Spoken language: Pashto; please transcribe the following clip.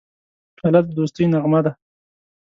پیاله د دوستی نغمه ده.